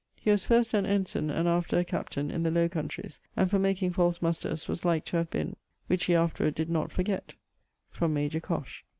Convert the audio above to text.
He was first an ensigne, and after a captain, in the Lowe countreys, and for making false musters was like to have been ... which he afterward did not forget: from major Cosh.